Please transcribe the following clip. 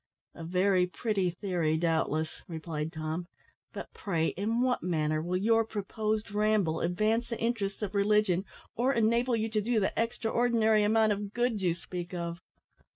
"A very pretty theory, doubtless," replied Tom; "but, pray, in what manner will your proposed ramble advance the interests of religion, or enable you to do the extra ordinary amount of good you speak of?"